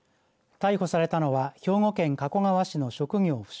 逮捕されたのは兵庫県加古川市の職業不詳